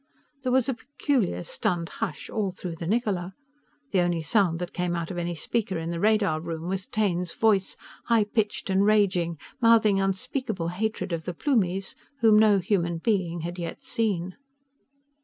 There was a peculiar, stunned hush all through the Niccola. The only sound that came out of any speaker in the radar room was Taine's voice, high pitched and raging, mouthing unspeakable hatred of the Plumies, whom no human being had yet seen.